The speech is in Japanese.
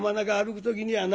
く時にはな